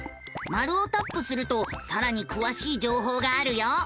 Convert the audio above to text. マルをタップするとさらにくわしい情報があるよ。